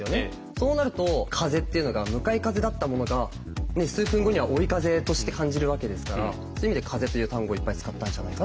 そうなると風っていうのが向かい風だったものが数分後には追い風として感じるわけですからそういう意味で「風」という単語いっぱい使ったんじゃないかなと思いました。